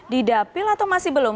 didapil atau masih belum